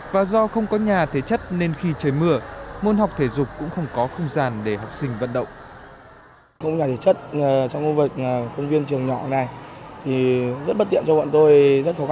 và do không có nhà thể chất nên khi trời mưa môn học thể dục cũng không có không gian để học sinh vận động